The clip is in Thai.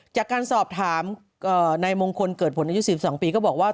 จากการสอบถามนายมงคลเกิดผลอายุ๔๒ปีก็บอกว่า